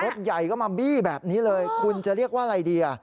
รถใหญ่ก็มาบี้แบบนี้เลยคุณจะเรียกว่าอะไรดีอ่ะ